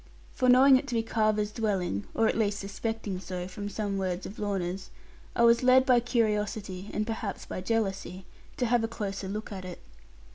For knowing it to be Carver's dwelling (or at least suspecting so, from some words of Lorna's), I was led by curiosity, and perhaps by jealousy, to have a closer look at it.